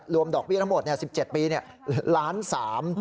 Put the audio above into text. รวมดอกเบี้ยทั้งหมด๑๗ปี๑๓ล้านบาท